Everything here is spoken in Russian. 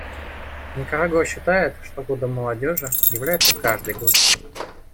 Никарагуа считает, что годом молодежи является каждый год.